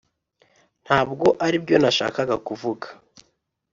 ntabwo aribyo nashakaga kuvuga